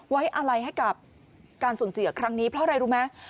ไว้อะไรให้กับการสูญเสียครั้งนี้เพราะอะไรรู้ไหม